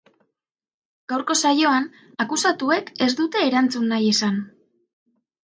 Gaurko saioan akusatuek ez dute erantzun nahi izan.